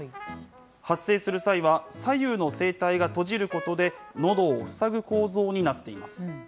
発声する際は、左右の声帯が閉じることで、のどを塞ぐ構造になっています。